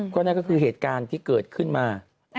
ก็นั่นก็คือเหตุการณ์ที่เกิดขึ้นมา